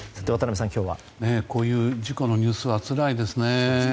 こういう事故のニュースはつらいですね。